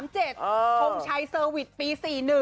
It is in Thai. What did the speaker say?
ทงชัยสเวิทปี๔๐